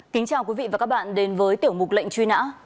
kính chào quý vị và các bạn đến với tiểu mục lệnh truy nã